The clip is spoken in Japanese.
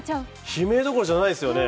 悲鳴どころじゃないですよね。